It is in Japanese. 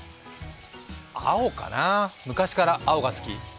青かな、昔から青が好き。